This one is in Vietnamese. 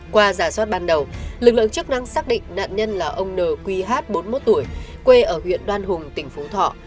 qua giả soát ban đầu lực lượng chức năng xác định nạn nhân là ông nqh bốn mươi một tuổi quê ở huyện đoan hùng tỉnh phú thọ